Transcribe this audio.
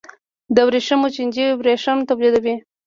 د ورېښمو چینجی ورېښم تولیدوي